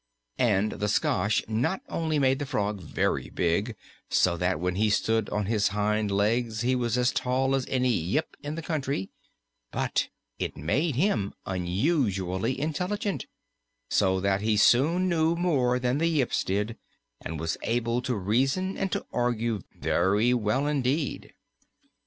And the skosh not only made the frog very big so that when he stood on his hind legs he was as tall as any Yip in the country, but it made him unusually intelligent, so that he soon knew more than the Yips did and was able to reason and to argue very well indeed.